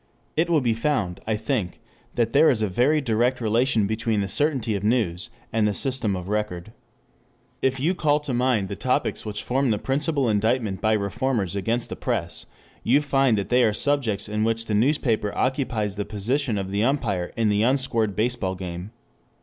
It will be found, I think, that there is a very direct relation between the certainty of news and the system of record. If you call to mind the topics which form the principal indictment by reformers against the press, you find they are subjects in which the newspaper occupies the position of the umpire in the unscored baseball game.